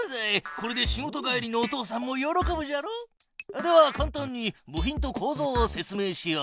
これで仕事帰りのお父さんも喜ぶじゃろう？ではかん単に部品とこうぞうを説明しよう。